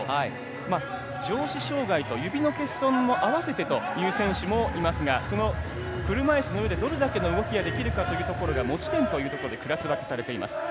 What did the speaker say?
上肢障がいと指の欠損も合わせてという選手もいますがその車いすの上でどれだけの動きができるかが持ち点というところでクラス分けされています。